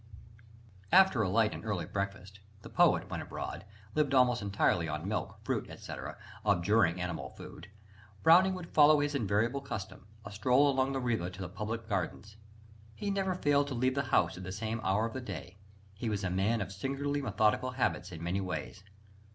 ] After a light and early breakfast the poet, when abroad, lived almost entirely on milk, fruit, etc., abjuring animal food Browning would follow his invariable custom, a stroll along the Riva to the public gardens. He never failed to leave the house at the same hour of the day: he was a man of singularly methodical habits in many ways.